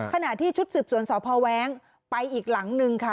ขณะที่ชุดสืบสวนสพแว้งไปอีกหลังนึงค่ะ